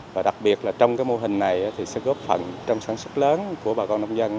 và đặc biệt là trong cái mô hình này thì sẽ góp phần trong sản xuất lớn của bà con nông dân